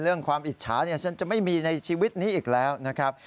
เรื่องความอิจฉาฉันจะไม่มีในชีวิตนี้อีกแล้วนะครับ